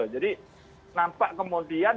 jadi nampak kemudian